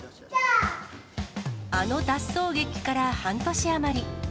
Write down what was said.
あの脱走劇から半年余り。